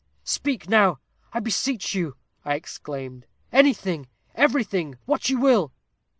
'Speak now, I beseech you!' I exclaimed; 'anything, everything what you will!'